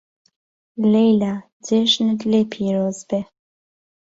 لهیلا جێژنت لێ پیرۆز بێ